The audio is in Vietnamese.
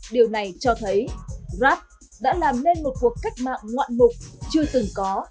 điều này cho thấy rap đã làm nên một cuộc cách mạng ngoạn ngục chưa từng có